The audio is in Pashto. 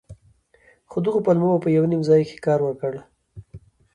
خو دغو پلمو به په يو نيم ځاى کښې کار وکړ.